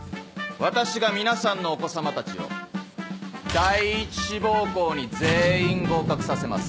私が皆さんのお子様たちを第一志望校に全員合格させます。